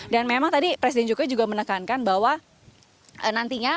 dan memang tadi presiden jokowi juga menekankan bahwa